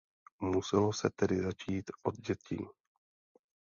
Muselo se tedy začít od dětí.